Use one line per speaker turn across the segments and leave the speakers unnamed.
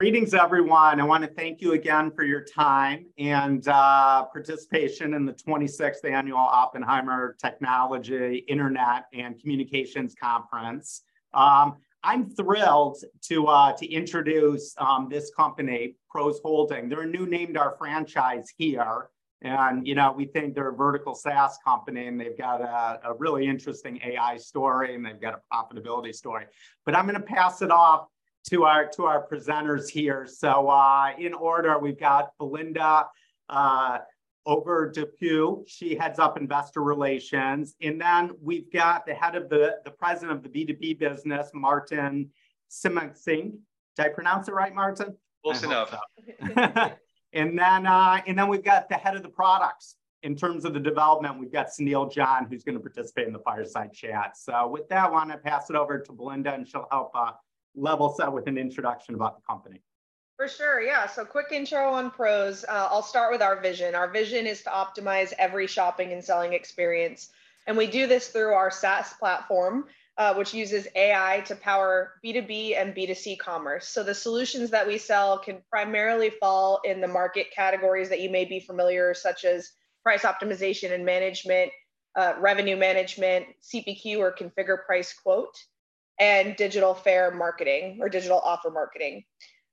Greetings, everyone. I want to thank you again for your time and participation in the 26th Annual Oppenheimer Technology, Internet, and Communications Conference. I'm thrilled to introduce this company, PROS Holdings. They're a new name to our franchise here, you know, we think they're a vertical SaaS company, they've got a really interesting AI story, and they've got a profitability story. I'm going to pass it off to our, to our presenters here. In order, we've got Belinda Overdeput. She heads up Investor Relations. Then we've got the President of the B2B business, Martin Simoncic. Did I pronounce it right, Martin?
Close enough.
Then, and then we've got the head of the products. In terms of the development, we've got Sunil John, who's going to participate in the fireside chat. With that, I want to pass it over to Belinda, and she'll help level set with an introduction about the company.
For sure, yeah. Quick intro on PROS. I'll start with our vision. Our vision is to optimize every shopping and selling experience, and we do this through our SaaS platform, which uses AI to power B2B and B2C commerce. The solutions that we sell can primarily fall in the market categories that you may be familiar, such as price optimization and management, revenue management, CPQ, or configure, price, quote, and digital fare marketing or digital offer marketing.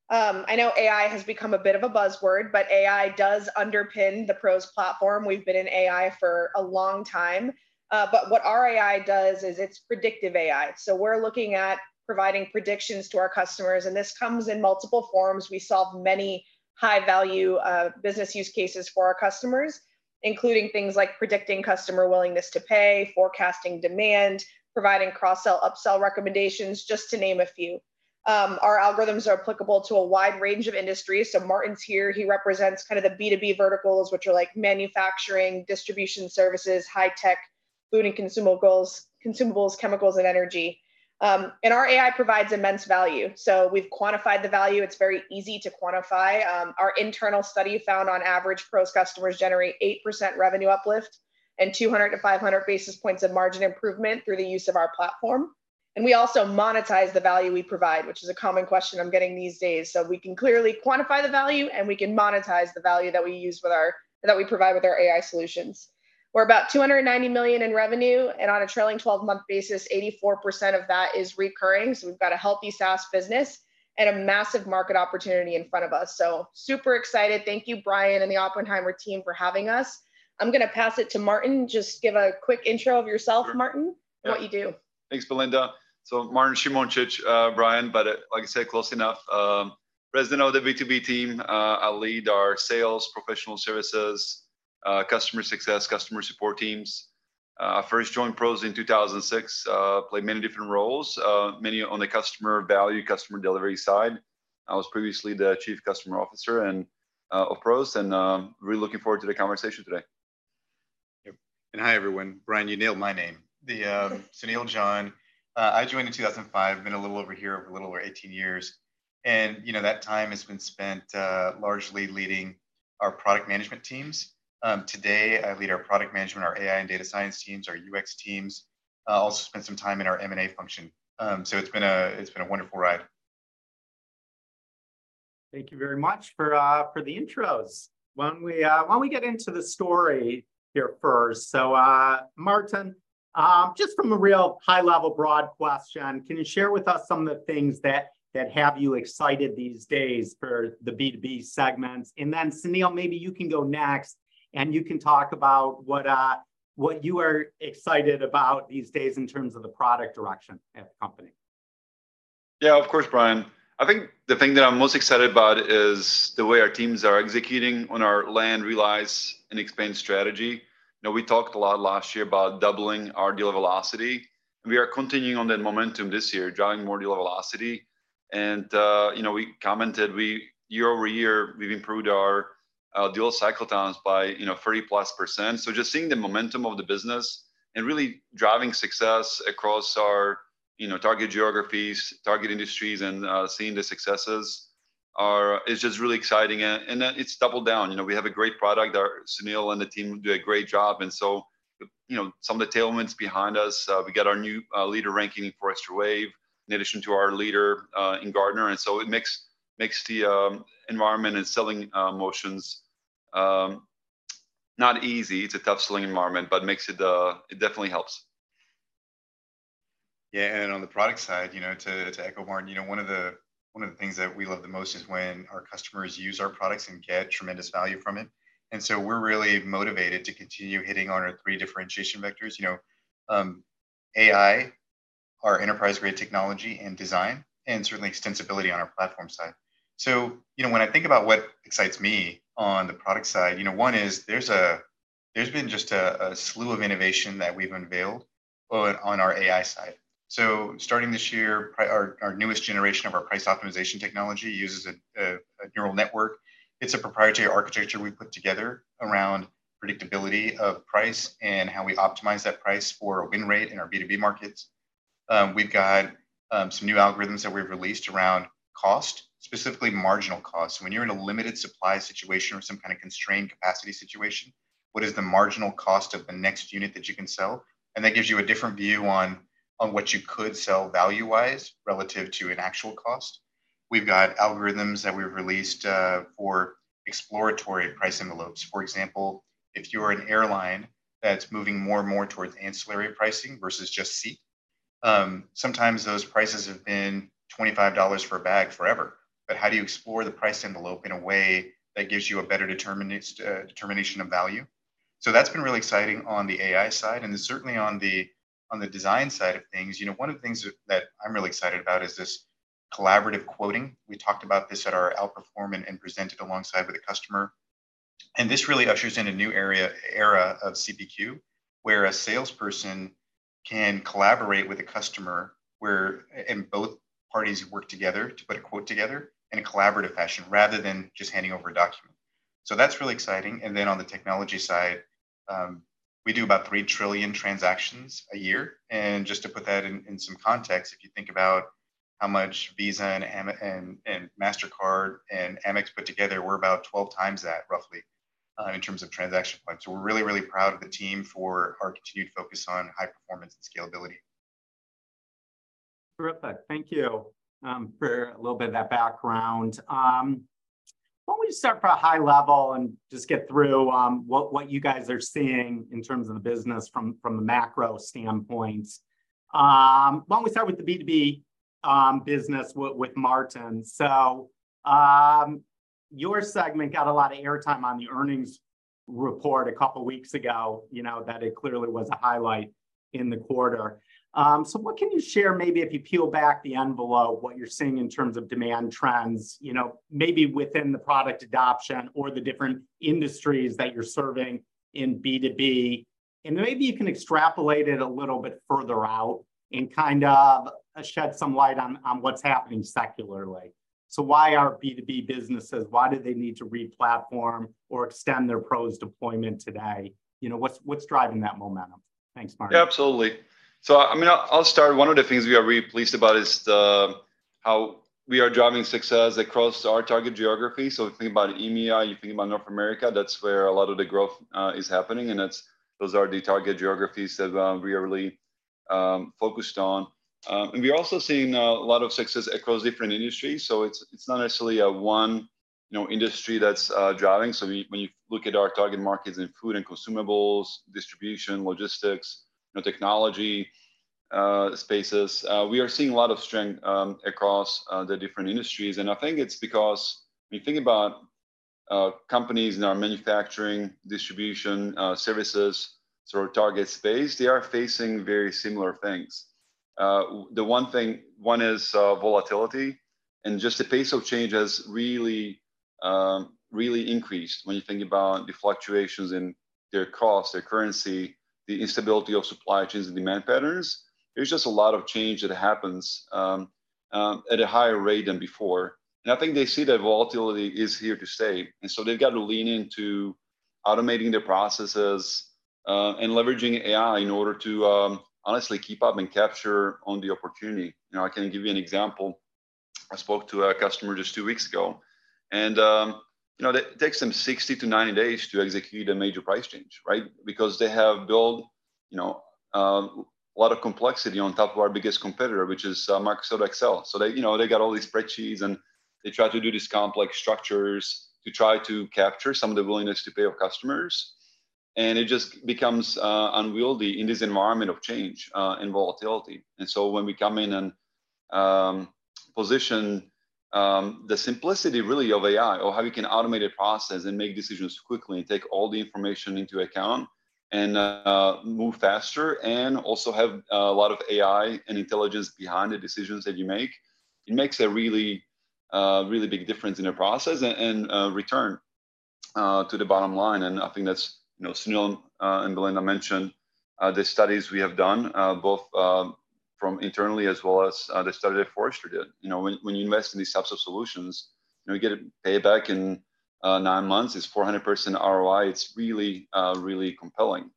I know AI has become a bit of a buzzword, but AI does underpin the PROS platform. We've been in AI for a long time, but what our AI does is it's predictive AI. We're looking at providing predictions to our customers, and this comes in multiple forms. We solve many high-value business use cases for our customers, including things like predicting customer willingness to pay, forecasting demand, providing cross-sell, upsell recommendations, just to name a few. Our algorithms are applicable to a wide range of industries. Martin's here, he represents kind of the B2B verticals, which are like manufacturing, distribution services, high tech, food and consumables, consumables, chemicals, and energy. Our AI provides immense value. We've quantified the value. It's very easy to quantify. Our internal study found on average, PROS customers generate 8% revenue uplift and 200 to 500 basis points of margin improvement through the use of our platform. We also monetize the value we provide, which is a common question I'm getting these days. We can clearly quantify the value, and we can monetize the value that we provide with our AI solutions. We're about $290 million in revenue, on a trailing 12-month basis, 84% of that is recurring. We've got a healthy SaaS business and a massive market opportunity in front of us. Super excited. Thank you, Brian, and the Oppenheimer team for having us. I'm going to pass it to Martin. Just give a quick intro of yourself, Martin.
Sure.
What you do.
Thanks, Belinda. Martin Simoncic, Brian, but like you said, close enough, President of the B2B team. I lead our sales, professional services, customer success, customer support teams. I first joined PROS in 2006. Played many different roles, many on the customer value, customer delivery side. I was previously the chief customer officer of PROS, and really looking forward to the conversation today.
Yep. Hi, everyone. Brian, you nailed my name. The Sunil John. I joined in 2005. Been a little over here, a little over 18 years, and, you know, that time has been spent, largely leading our product management teams. Today, I lead our product management, our AI and data science teams, our UX teams, also spent some time in our M&A function. So it's been a, it's been a wonderful ride.
Thank you very much for, for the intros. Why don't we, why don't we get into the story here first? Martin, just from a real high-level, broad question, can you share with us some of the things that, that have you excited these days for the B2B segments? Then, Sunil, maybe you can go next, and you can talk about what you are excited about these days in terms of the product direction at the company.
Yeah, of course, Brian. I think the thing that I'm most excited about is the way our teams are executing on our land, realize, and expand strategy. Now, we talked a lot last year about doubling our deal velocity. We are continuing on that momentum this year, driving more deal velocity. You know, we commented we, year-over-year, we've improved our deal cycle times by, you know, 30+%. Just seeing the momentum of the business and really driving success across our, you know, target geographies, target industries, and seeing the successes are- it's just really exciting, and then it's doubled down. You know, we have a great product. Our, Sunil and the team do a great job, and so, you know, some of the tailwind's behind us. We got our new leader ranking in Forrester Wave, in addition to our leader in Gartner, and so it makes the environment and selling motions not easy. It's a tough selling environment, but makes it definitely helps.
Yeah, on the product side, you know, to echo Martin, you know, one of the things that we love the most is when our customers use our products and get tremendous value from it, so we're really motivated to continue hitting on our three differentiation vectors, you know, AI, our enterprise-grade technology and design, and certainly extensibility on our platform side. You know, when I think about what excites me on the product side, you know, one is there's been just a slew of innovation that we've unveiled on our AI side. Starting this year, our newest generation of our price optimization technology uses a neural network. It's a proprietary architecture we put together around predictability of price and how we optimize that price for win rate in our B2B markets. We've got some new algorithms that we've released around cost, specifically marginal cost. When you're in a limited supply situation or some kind of constrained capacity situation, what is the marginal cost of the next unit that you can sell? That gives you a different view on, on what you could sell value-wise, relative to an actual cost. We've got algorithms that we've released for exploratory price envelopes. For example, if you're an airline that's moving more and more towards ancillary pricing versus just seat, sometimes those prices have been $25 for a bag forever. How do you explore the price envelope in a way that gives you a better determination of value? That's been really exciting on the AI side, and then certainly on the, on the design side of things, you know, one of the things that I'm really excited about is this Collaborative Quoting. We talked about this at our Outperform and presented alongside with a customer. This really ushers in a new era of CPQ, where a salesperson can collaborate with a customer, and both parties work together to put a quote together in a collaborative fashion, rather than just handing over a document. That's really exciting. Then on the technology side, we do about 3 trillion transactions a year. Just to put that in, in some context, if you think about how much Visa and Mastercard and Amex put together, we're about 12 times that, roughly, in terms of transaction points. We're really, really proud of the team for our continued focus on high performance and scalability.
Terrific. Thank you, for a little bit of that background. Why don't we start from a high level and just get through what you guys are seeing in terms of the business from the macro standpoint? Why don't we start with the B2B business with Martin. Your segment got a lot of airtime on the earnings report a couple weeks ago, you know, that it clearly was a highlight in the quarter. What can you share, maybe if you peel back the envelope, what you're seeing in terms of demand trends, you know, maybe within the product adoption or the different industries that you're serving in B2B? Maybe you can extrapolate it a little bit further out and kind of shed some light on what's happening secularly. Why are B2B businesses, why do they need to re-platform or extend their PROS deployment today? You know, what's, what's driving that momentum? Thanks, Martin.
Yeah, absolutely. I mean, I'll, I'll start. One of the things we are really pleased about is how we are driving success across our target geography. You think about EMEA, you think about North America, that's where a lot of the growth is happening, and those are the target geographies that we are really focused on. And we are also seeing a lot of success across different industries. It's not necessarily a one, you know, industry that's driving. When you look at our target markets in food and consumables, distribution, logistics, you know, technology spaces, we are seeing a lot of strength across the different industries. I think it's because when you think about companies in our manufacturing, distribution, services, sort of target space, they are facing very similar things. The one thing, one is volatility, and just the pace of change has really, really increased when you think about the fluctuations in their cost, their currency, the instability of supply chains and demand patterns. There's just a lot of change that happens at a higher rate than before, and I think they see that volatility is here to stay, and so they've got to lean into automating their processes, and leveraging AI in order to honestly keep up and capture on the opportunity. You know, I can give you an example. I spoke to a customer just two weeks ago, and, you know, that it takes them 60 to 90 days to execute a major price change, right? Because they have built, you know, a lot of complexity on top of our biggest competitor, which is, Microsoft Excel. They, you know, they got all these spreadsheets, and they try to do these complex structures to try to capture some of the willingness to pay of customers, and it just becomes, unwieldy in this environment of change, and volatility. When we come in and position the simplicity really of AI, or how we can automate a process and make decisions quickly and take all the information into account and move faster, and also have a lot of AI and intelligence behind the decisions that you make, it makes a really big difference in their process and return to the bottom line. I think that's, you know, Sunil and Belinda mentioned the studies we have done, both from internally as well as the study that Forrester did. You know, when you invest in these types of solutions, you get a payback in nine months. It's 400% ROI. It's really compelling.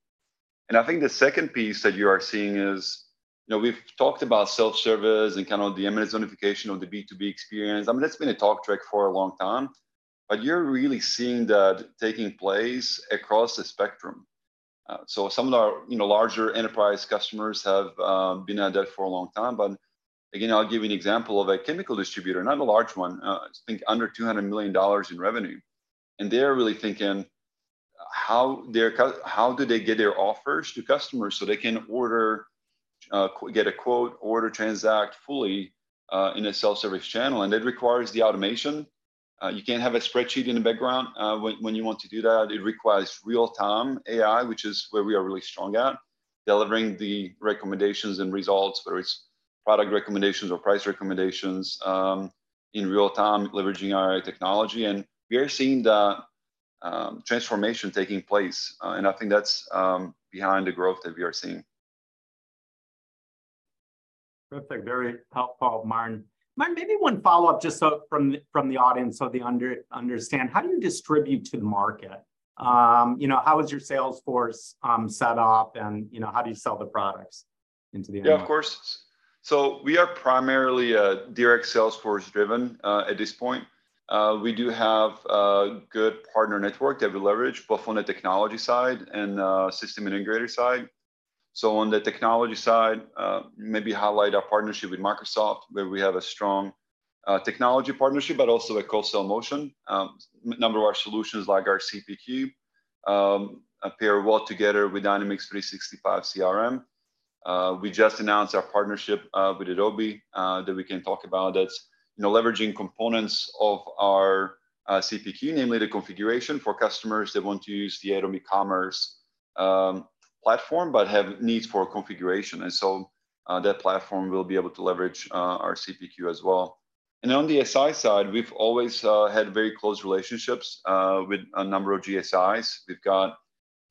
I think the second piece that you are seeing is, you know, we've talked about self-service and kind of the imminent unification of the B2B experience. I mean, that's been a talk track for a long time, but you're really seeing that taking place across the spectrum. Some of our, you know, larger enterprise customers have been at that for a long time. Again, I'll give you an example of a chemical distributor, not a large one, I think under $200 million in revenue. They are really thinking how their how do they get their offers to customers so they can order, get a quote, order, transact fully in a self-service channel, and it requires the automation. You can't have a spreadsheet in the background when you want to do that. It requires real-time AI, which is where we are really strong at, delivering the recommendations and results, whether it's product recommendations or price recommendations, in real time, leveraging AI technology. We are seeing the transformation taking place, and I think that's behind the growth that we are seeing.
Perfect. Very helpful, Martin. Martin, maybe one follow-up, just from the audience, so they understand: How do you distribute to the market? You know, how is your sales force set up, and, you know, how do you sell the products into the end user?
We are primarily direct Salesforce driven at this point. We do have a good partner network that we leverage, both on the technology side and system integrator side. On the technology side, maybe highlight our partnership with Microsoft, where we have a strong technology partnership, but also a co-sell motion. Number of our solutions, like our CPQ, appear well together with Dynamics 365 CRM. We just announced our partnership with Adobe that we can talk about. That's, you know, leveraging components of our CPQ, namely the configuration for customers that want to use the Adobe Commerce platform, but have needs for configuration. That platform will be able to leverage our CPQ as well. On the SI side, we've always had very close relationships with a number of GSIs. We've got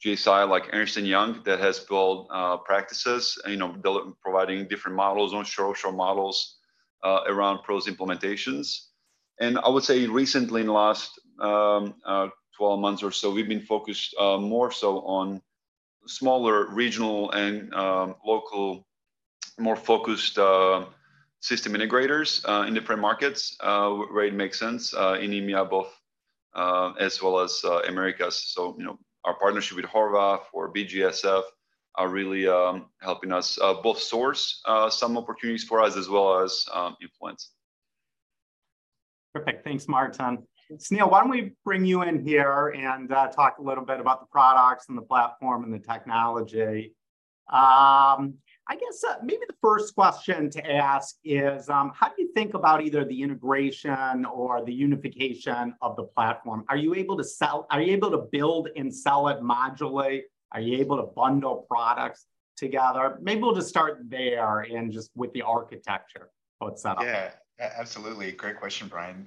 GSI, like Ernst & Young, that has built practices, and, you know, providing different models, onshore, offshore models, around PROS implementations. I would say recently, in the last 12 months or so, we've been focused more so on smaller regional and local, more focused, system integrators, in different markets, where it makes sense, in EMEA, both, as well as Americas. You know, our partnership with Horváth or BGSF are really helping us both source some opportunities for us as well as influence.
Perfect. Thanks, Martin. Sunil, why don't we bring you in here and talk a little bit about the products and the platform and the technology? I guess, maybe the first question to ask is how do you think about either the integration or the unification of the platform? Are you able to build and sell it modularly? Are you able to bundle products together? Maybe we'll just start there and just with the architecture, how it's set up.
Yeah, absolutely. Great question, Brian.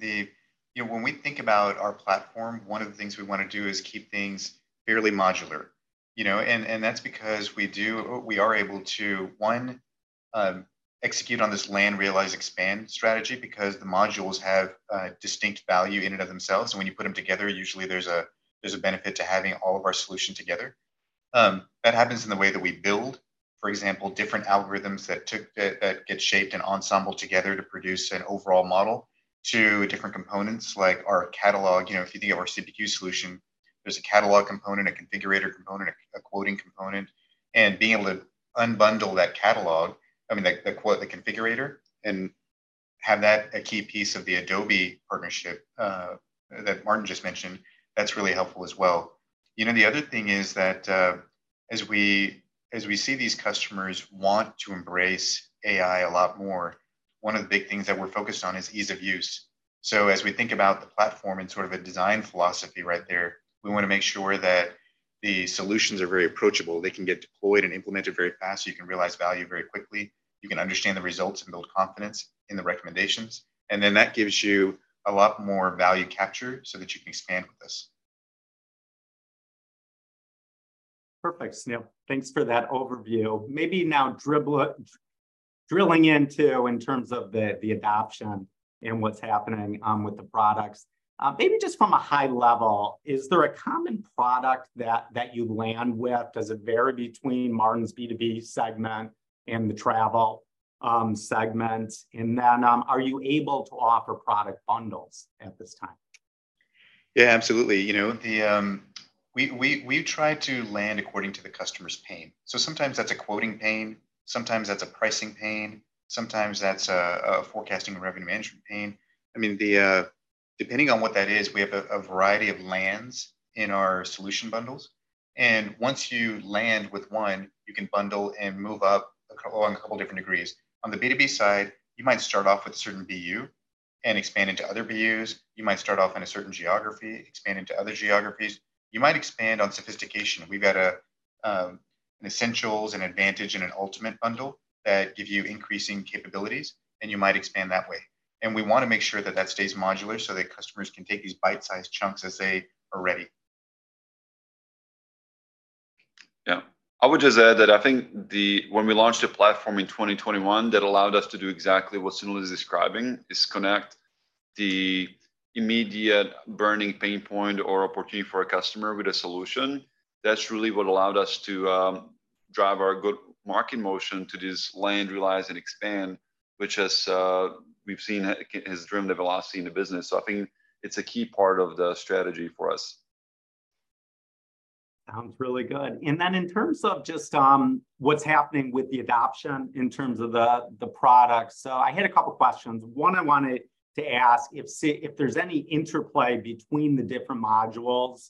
You know, when we think about our platform, one of the things we want to do is keep things fairly modular, you know. That's because we are able to, one, execute on this land, realize, expand strategy because the modules have distinct value in and of themselves, and when you put them together, usually there's a benefit to having all of our solution together. That happens in the way that we build, for example, different algorithms that get shaped and ensembled together to produce an overall model to different components, like our catalog. You know, if you think of our CPQ solution, there's a catalog component, a configurator component, a quoting component, and being able to unbundle that catalog, I mean, the quote, the configurator, and have that a key piece of the Adobe partnership that Martin just mentioned, that's really helpful as well. You know, the other thing is that, as we see these customers want to embrace AI a lot more, one of the big things that we're focused on is ease of use. As we think about the platform and sort of a design philosophy right there, we want to make sure that the solutions are very approachable. They can get deployed and implemented very fast, so you can realize value very quickly. You can understand the results and build confidence in the recommendations. Then that gives you a lot more value capture so that you can expand with this.
Perfect, Sunil. Thanks for that overview. Maybe now drilling into in terms of the, the adoption and what's happening with the products. Maybe just from a high level, is there a common product that, that you land with? Does it vary between Martin's B2B segment and the travel segment? Then, are you able to offer product bundles at this time?
Yeah, absolutely. You know, the... We, we, we try to land according to the customer's pain. Sometimes that's a quoting pain, sometimes that's a pricing pain, sometimes that's a, a forecasting and revenue management pain. I mean, the, depending on what that is, we have a, a variety of lands in our solution bundles, and once you land with one, you can bundle and move up a couple, along a couple different degrees. On the B2B side, you might start off with a certain BU and expand into other BUs. You might start off in a certain geography, expand into other geographies. You might expand on sophistication. We've got a, an Essentials, an Advantage, and an Ultimate bundle that give you increasing capabilities, and you might expand that way. We wanna make sure that that stays modular so that customers can take these bite-sized chunks as they are ready.
Yeah. I would just add that I think the-- when we launched the platform in 2021, that allowed us to do exactly what Sunil is describing, is connect the immediate burning pain point or opportunity for a customer with a solution. That's really what allowed us to drive our go-to-market motion to this land, realize, and expand, which has, we've seen has, has driven the velocity in the business. I think it's a key part of the strategy for us.
Sounds really good. In terms of just, what's happening with the adoption in terms of the, the product, I had a couple questions. One, I wanted to ask if there's any interplay between the different modules,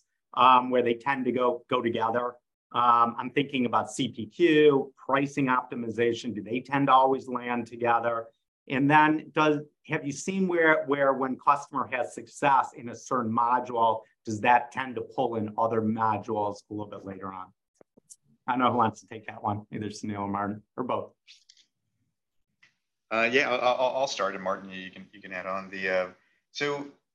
where they tend to go together. I'm thinking about CPQ, price optimization. Do they tend to always land together? Does... Have you seen where when customer has success in a certain module, does that tend to pull in other modules a little bit later on? I don't know who wants to take that one, either Sunil or Martin or both.
Yeah, I'll, I'll, I'll start. Martin, you can, you can add on. The,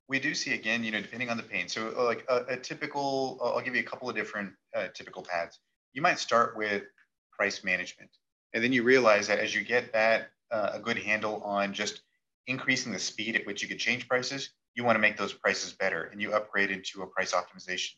we do see, again, you know, depending on the pain, like I'll give you a couple of different, typical paths. You might start with price management. Then you realize that as you get that handle on just increasing the speed at which you could change prices, you want to make those prices better. You upgraded to a price optimization.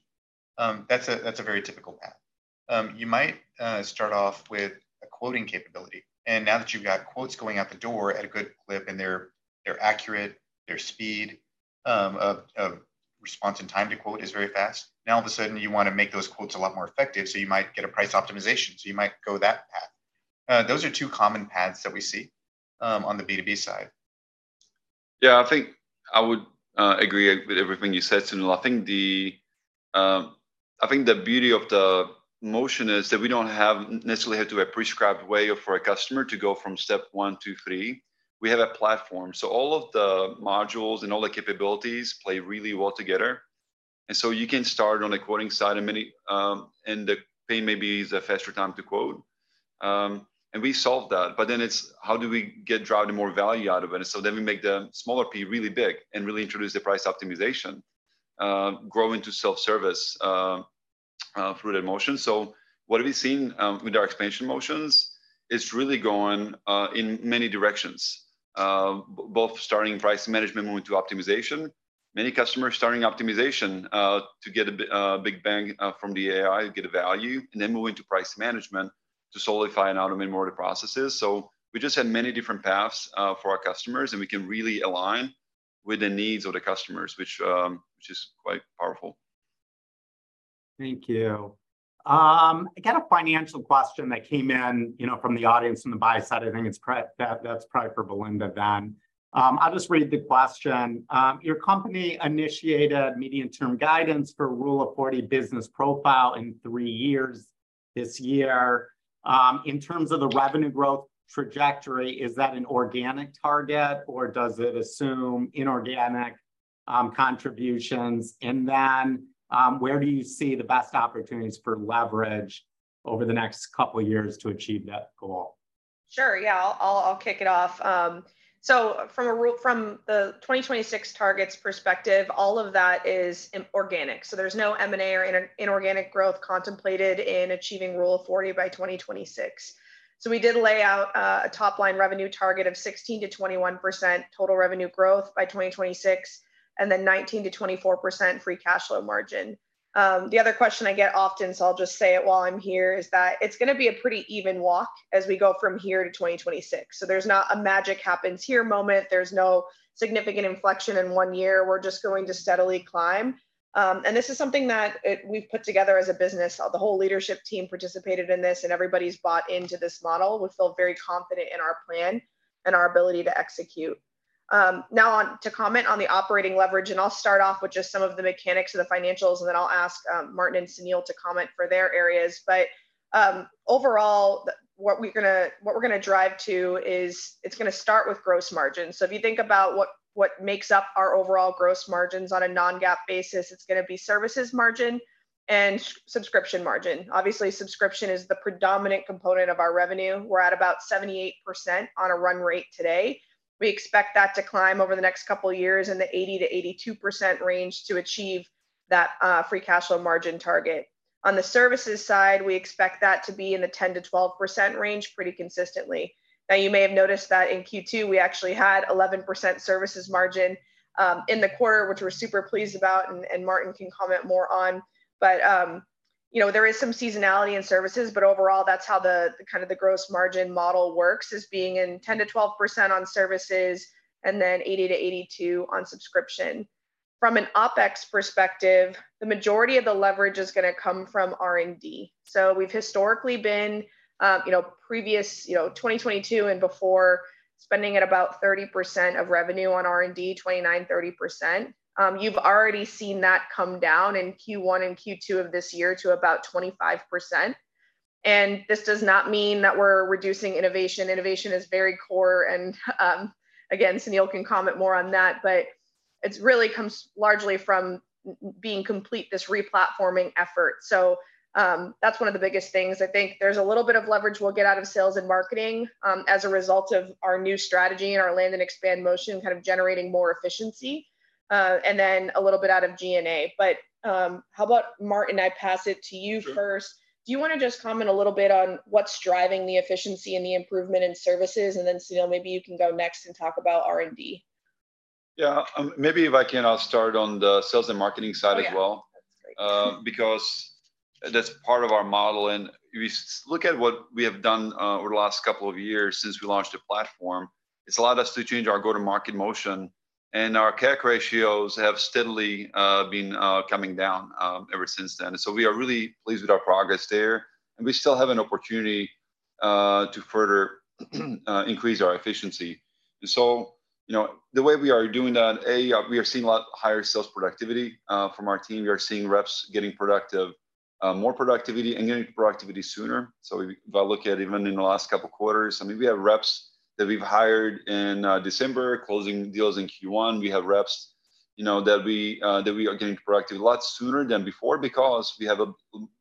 That's a, that's a very typical path. You might start off with a quoting capability. Now that you've got quotes going out the door at a good clip, and they're, they're accurate, their speed of, of response and time to quote is very fast. All of a sudden you want to make those quotes a lot more effective. You might get a price optimization. You might go that path. Those are two common paths that we see on the B2B side.
Yeah, I think I would agree with everything you said, Sunil. I think the, I think the beauty of the motion is that we don't have- necessarily have to a prescribed way for a customer to go from step one to three. We have a platform. All of the modules and all the capabilities play really well together. You can start on the quoting side, and many, and the pain may be the faster time to quote. We solve that, but then it's how do we get, drive the more value out of it? Then we make the smaller P really big and really introduce the price optimization, grow into self-service through the motion. What have we seen with our expansion motions? It's really going in many directions, both starting price management, moving to optimization. Many customers starting optimization to get a big bang from the AI, get a value, and then move into price management to solidify and automate more of the processes. We just had many different paths for our customers, and we can really align with the needs of the customers, which, which is quite powerful.
Thank you. I got a financial question that came in, you know, from the audience, from the buy side. I think it's that, that's probably for Belinda then. I'll just read the question. "Your company initiated medium-term guidance for Rule of 40 business profile in three years this year. In terms of the revenue growth trajectory, is that an organic target, or does it assume inorganic, contributions? Then, where do you see the best opportunities for leverage over the next two years to achieve that goal?
Sure, yeah. I'll, I'll, I'll kick it off. From a rule... from the 2026 targets perspective, all of that is inorganic. There's no M&A or inorganic growth contemplated in achieving Rule of 40 by 2026. We did lay out a top-line revenue target of 16%-21% total revenue growth by 2026, and then 19%-24% free cash flow margin. The other question I get often, so I'll just say it while I'm here, is that it's going to be a pretty even walk as we go from here to 2026. There's not a magic happens here moment. There's no significant inflection in one year. We're just going to steadily climb. This is something that we've put together as a business. The whole leadership team participated in this, and everybody's bought into this model. We feel very confident in our plan and our ability to execute. Now, on to comment on the operating leverage, I'll start off with just some of the mechanics of the financials, and then I'll ask Martin and Sunil to comment for their areas. Overall, what we're going to, what we're going to drive to is, it's going to start with gross margin. If you think about what, what makes up our overall gross margins on a non-GAAP basis, it's going to be services margin and subscription margin. Obviously, subscription is the predominant component of our revenue. We're at about 78% on a run rate today. We expect that to climb over the next couple of years in the 80%-82% range to achieve that free cash flow margin target. On the services side, we expect that to be in the 10%-12% range pretty consistently. You may have noticed that in Q2, we actually had 11% services margin in the quarter, which we're super pleased about, and Martin can comment more on. You know, there is some seasonality in services, but overall, that's how the kind of the gross margin model works, is being in 10%-12% on services and then 80%-82% on subscription. From an OpEx perspective, the majority of the leverage is going to come from R&D. We've historically been, you know, previous, you know, 2022 and before, spending at about 30% of revenue on R&D, 29%-30%. You've already seen that come down in Q1 and Q2 of this year to about 25%, and this does not mean that we're reducing innovation. Innovation is very core, and again, Sunil can comment more on that, but it's really comes largely from being complete, this re-platforming effort. That's one of the biggest things. I think there's a little bit of leverage we'll get out of sales and marketing as a result of our new strategy and our land and expand motion, kind of generating more efficiency, and then a little bit out of G&A. How about Martin, I pass it to you first.
Sure.
Do you want to just comment a little bit on what's driving the efficiency and the improvement in services, and then, Sunil, maybe you can go next and talk about R&D?
Yeah. maybe if I can, I'll start on the sales and marketing side as well.
Oh, yeah. That's great.
Because that's part of our model, and if you look at what we have done, over the last two years since we launched the platform, it's allowed us to change our go-to-market motion, and our CAC ratios have steadily been coming down ever since then. We are really pleased with our progress there, and we still have an opportunity to further increase our efficiency. You know, the way we are doing that, A, we are seeing a lot higher sales productivity from our team. We are seeing reps getting productive, more productivity and getting to productivity sooner. If I look at even in the last two quarters, I mean, we have reps that we've hired in December, closing deals in Q1. We have reps, you know, that we that we are getting productive a lot sooner than before because we have a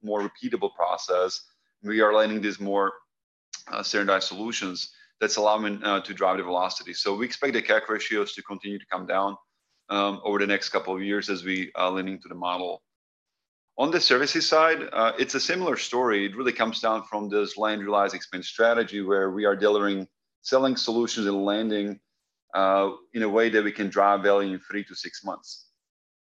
more repeatable process. We are aligning these more standardized solutions that's allowing to drive the velocity. We expect the CAC ratios to continue to come down over the next couple of years as we are leaning to the model. On the services side, it's a similar story. It really comes down from this land, realize, and expand strategy, where we are delivering, selling solutions and landing in a way that we can drive value in three-six months.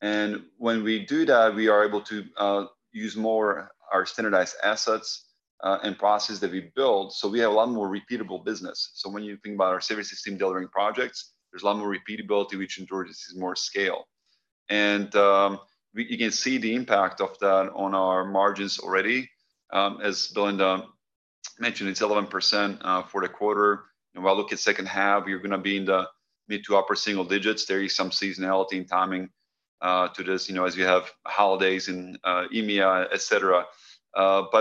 When we do that, we are able to use more our standardized assets and processes that we build, so we have a lot more repeatable business. When you think about our service system delivering projects, there's a lot more repeatability, which introduces more scale. You can see the impact of that on our margins already. As Belinda mentioned, it's 11% for the quarter, and while look at second half, you're gonna be in the mid to upper single digits. There is some seasonality and timing to this, you know, as you have holidays in EMEA, et cetera.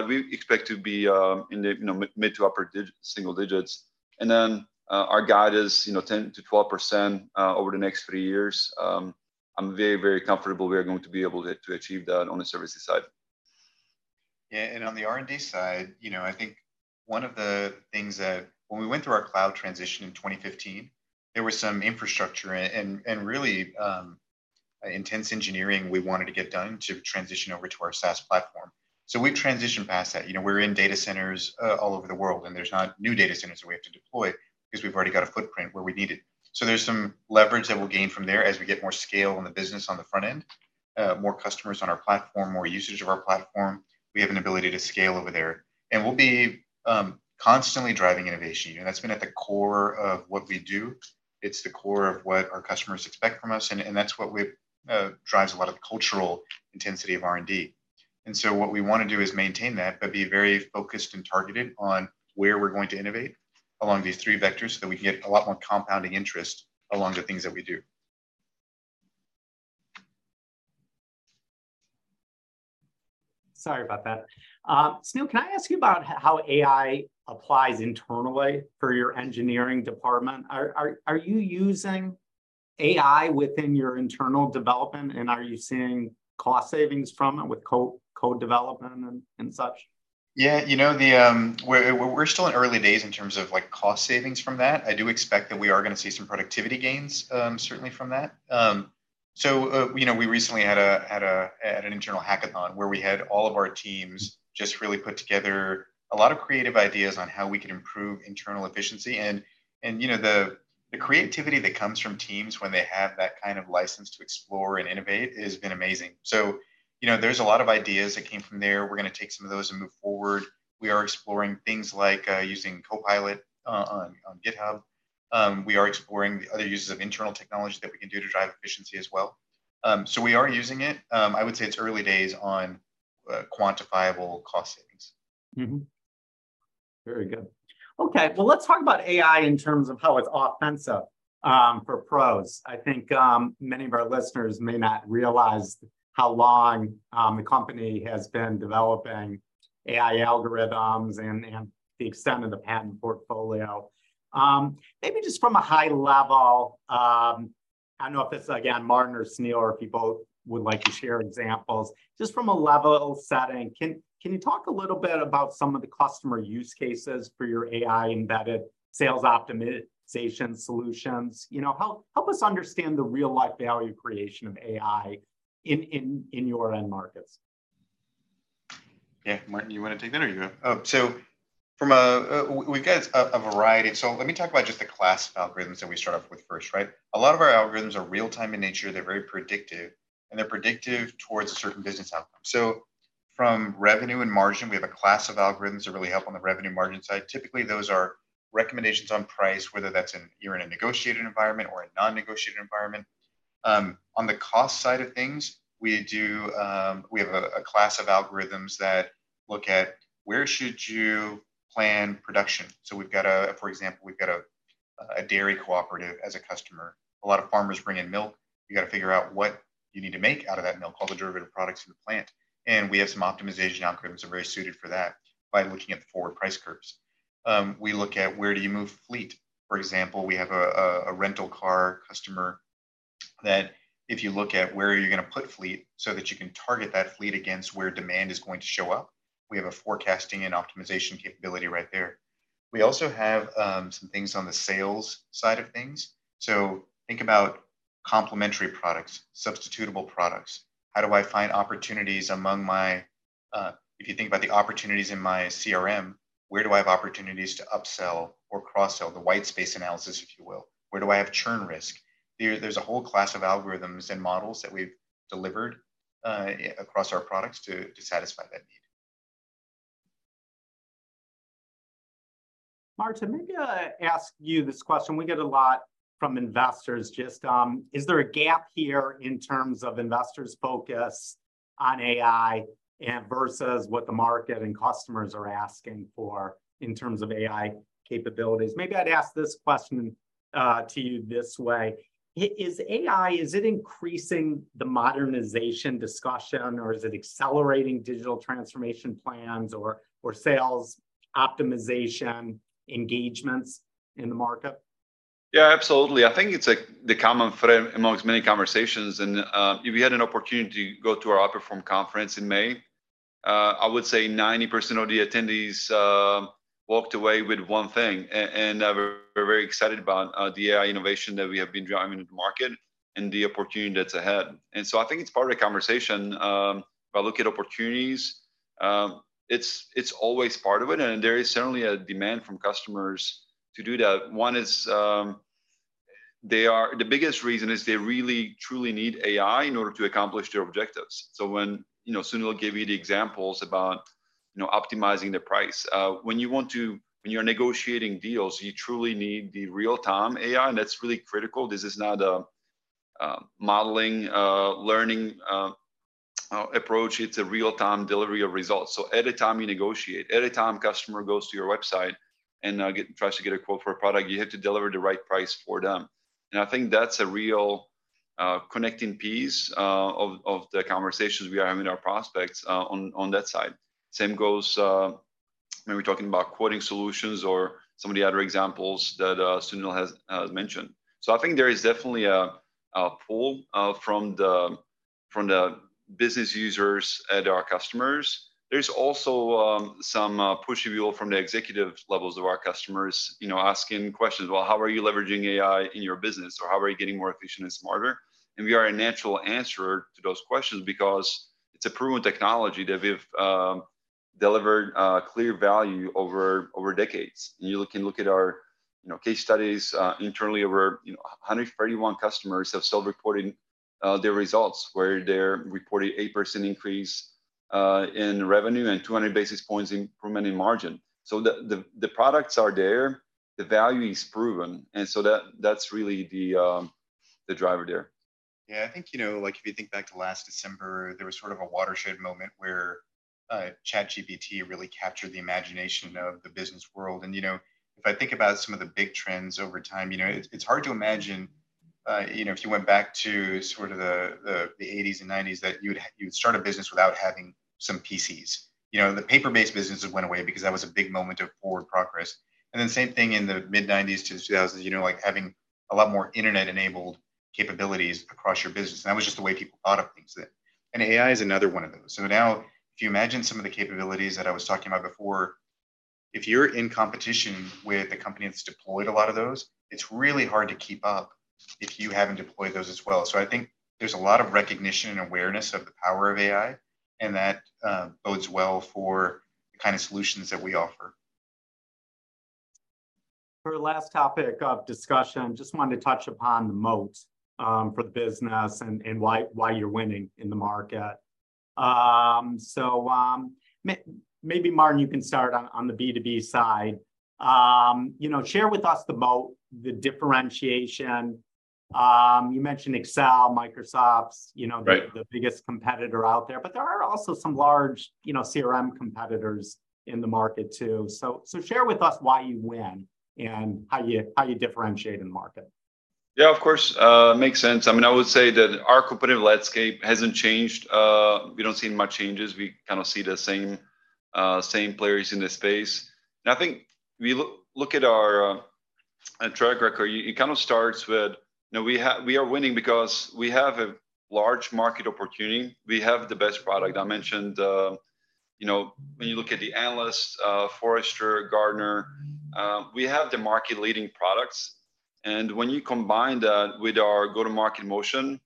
We expect to be in the, you know, mid, mid to upper single digits. Then our guide is, you know, 10%-12% over the next three years. I'm very, very comfortable we are going to be able to achieve that on the services side.
Yeah, and on the R&D side, you know, I think one of the things that when we went through our cloud transition in 2015, there was some infrastructure and, and, and really intense engineering we wanted to get done to transition over to our SaaS platform. We've transitioned past that. You know, we're in data centers all over the world, and there's not new data centers that we have to deploy because we've already got a footprint where we need it. There's some leverage that we'll gain from there as we get more scale in the business on the front end, more customers on our platform, more usage of our platform. We have an ability to scale over there. We'll be constantly driving innovation, and that's been at the core of what we do. It's the core of what our customers expect from us, and drives a lot of cultural intensity of R&D. What we wanna do is maintain that, but be very focused and targeted on where we're going to innovate along these three vectors, so that we can get a lot more compounding interest along the things that we do.
Sorry about that. Sunil, can I ask you about how AI applies internally for your engineering department? Are, are, are you using AI within your internal development, and are you seeing cost savings from it with code development and, and such?
Yeah, you know, the... We're, we're still in early days in terms of, like, cost savings from that. I do expect that we are gonna see some productivity gains, certainly from that. You know, we recently had a, had a, had an internal hackathon, where we had all of our teams just really put together a lot of creative ideas on how we can improve internal efficiency. You know, the, the creativity that comes from teams when they have that kind of license to explore and innovate has been amazing. You know, there's a lot of ideas that came from there. We're gonna take some of those and move forward. We are exploring things like, using Copilot, on, on GitHub. We are exploring the other uses of internal technology that we can do to drive efficiency as well. We are using it. I would say it's early days on quantifiable cost savings.
Very good. Okay, well, let's talk about AI in terms of how it's offensive for PROS. I think many of our listeners may not realize how long the company has been developing AI algorithms and, and the extent of the patent portfolio. Maybe just from a high level, I don't know if it's, again, Martin or Sunil, or if you both would like to share examples. Just from a level setting, can, can you talk a little bit about some of the customer use cases for your AI-embedded sales optimization solutions? You know, help, help us understand the real-life value creation of AI in, in, in your end markets.
Yeah. Martin, you wanna take that or you? So from a variety. So let me talk about just the class of algorithms that we start off with first, right. A lot of our algorithms are real-time in nature. They're very predictive, and they're predictive towards a certain business outcome. From revenue and margin, we have a class of algorithms that really help on the revenue margin side. Typically, those are recommendations on price, whether that's in, you're in a negotiated environment or a non-negotiated environment. On the cost side of things, we do, we have a class of algorithms that look at where should you plan production. We've got, for example, we've got a dairy cooperative as a customer. A lot of farmers bring in milk.
You gotta figure out what you need to make out of that milk, all the derivative products in the plant, and we have some optimization algorithms that are very suited for that by looking at the forward price curves. We look at where do you move fleet? For example, we have a rental car customer that if you look at where are you gonna put fleet so that you can target that fleet against where demand is going to show up, we have a forecasting and optimization capability right there. We also have some things on the sales side of things. Think about complementary products, substitutable products. How do I find opportunities among my, If you think about the opportunities in my CRM, where do I have opportunities to upsell or cross-sell? The white space analysis, if you will. Where do I have churn risk? There's a whole class of algorithms and models that we've delivered, across our products to satisfy that need.
Martin, maybe I'll ask you this question. We get a lot from investors. Just, is there a gap here in terms of investors' focus on AI and versus what the market and customers are asking for in terms of AI capabilities? Maybe I'd ask this question to you this way: is AI, is it increasing the modernization discussion, or is it accelerating digital transformation plans or, or sales optimization engagements in the market?
Yeah, absolutely. I think it's, like, the common thread amongst many conversations, if you had an opportunity to go to our Outperform conference in May. I would say 90% of the attendees walked away with one thing, and we're very excited about the AI innovation that we have been driving in the market and the opportunity that's ahead. I think it's part of the conversation. If I look at opportunities, it's, it's always part of it, and there is certainly a demand from customers to do that. One is, the biggest reason is they really, truly need AI in order to accomplish their objectives. When, you know, Sunil will give you the examples about, you know, optimizing the price. When you want to negotiating deals, you truly need the real-time AI, and that's really critical. This is not a modeling learning approach. It's a real-time delivery of results. Every time you negotiate, every time customer goes to your website and tries to get a quote for a product, you have to deliver the right price for them. And I think that's a real connecting piece of the conversations we are having our prospects on that side. Same goes when we're talking about quoting solutions or some of the other examples that Sunil has mentioned. I think there is definitely a pull from the business users and our customers There's also some push view from the executive levels of our customers, you know, asking questions, "Well, how are you leveraging AI in your business? Or how are you getting more efficient and smarter?" We are a natural answer to those questions because it's a proven technology that we've delivered clear value over decades. You can look at our, you know, case studies, internally over, you know, 141 customers have self-reporting their results, where they're reporting 8% increase in revenue and 200 basis points improvement in margin. The products are there, the value is proven, that's really the driver there.
Yeah, I think, you know, like if you think back to last December, there was sort of a watershed moment where ChatGPT really captured the imagination of the business world. And, you know, if I think about some of the big trends over time, you know, it's, it's hard to imagine, you know, if you went back to sort of the, the, the '80s and '90s, that you'd start a business without having some PCs. You know, the paper-based business went away because that was a big moment of forward progress. And then same thing in the mid-'90s to 2000s, you know, like having a lot more internet-enabled capabilities across your business, and that was just the way people thought of things then. And AI is another one of those. Now, if you imagine some of the capabilities that I was talking about before, if you're in competition with a company that's deployed a lot of those, it's really hard to keep up if you haven't deployed those as well. I think there's a lot of recognition and awareness of the power of AI, and that bodes well for the kind of solutions that we offer.
For our last topic of discussion, just wanted to touch upon the moat for the business and, and why, why you're winning in the market. Maybe, Martin, you can start on, on the B2B side. You know, share with us the moat, the differentiation. You mentioned Excel, Microsoft, you know.
Right...
the biggest competitor out there, but there are also some large, you know, CRM competitors in the market too. Share with us why you win and how you differentiate in the market.
Yeah, of course. Makes sense. I mean, I would say that our competitive landscape hasn't changed. We don't see much changes. We kind of see the same, same players in this space. I think if you look at our track record, it kind of starts with, you know, we are winning because we have a large market opportunity. We have the best product. I mentioned, you know, when you look at the analysts, Forrester, Gartner, we have the market-leading products, and when you combine that with our go-to-market motion,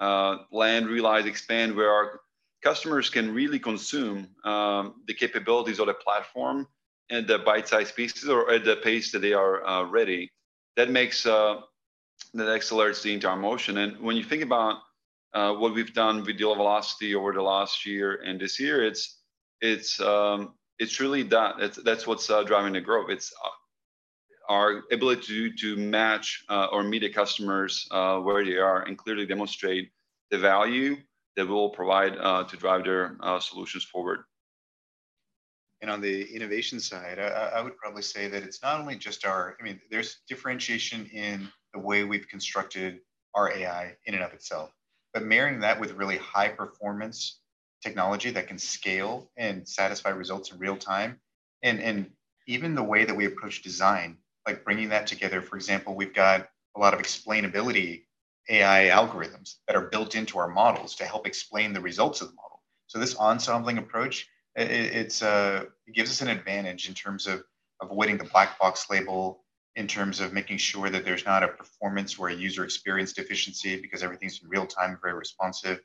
land, realize, expand, where our customers can really consume the capabilities of the platform and the bite-sized pieces or at the pace that they are ready, that makes that accelerates the entire motion. When you think about what we've done with deal velocity over the last year and this year, it's, it's really that. That's, that's what's driving the growth. It's our ability to, to match or meet the customers where they are and clearly demonstrate the value that we will provide to drive their solutions forward.
On the innovation side, I would probably say that it's not only just our- I mean, there's differentiation in the way we've constructed our AI in and of itself, but marrying that with really high-performance technology that can scale and satisfy results in real time, and even the way that we approach design, like bringing that together. For example, we've got a lot of explainability AI algorithms that are built into our models to help explain the results of the model. This ensembling approach, it's gives us an advantage in terms of avoiding the black box label, in terms of making sure that there's not a performance or a user experience deficiency because everything's in real time and very responsive.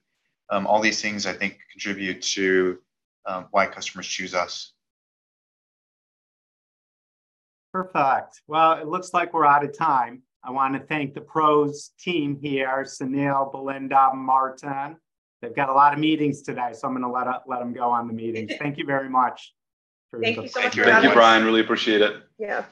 All these things, I think, contribute to why customers choose us.
Perfect. Well, it looks like we're out of time. I want to thank the PROS team here, Sunil, Belinda, Martin. They've got a lot of meetings today, so I'm gonna let, let them go on the meeting. Thank you very much.
Thank you so much. Thank you, Brian. Really appreciate it. Yeah.